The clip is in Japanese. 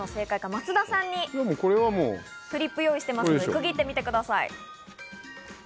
松田さんにフリップ、用意していますので区切ってください。